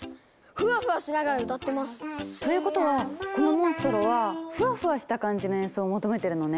フワフワしながら歌ってます！ということはこのモンストロはフワフワした感じの演奏を求めてるのね。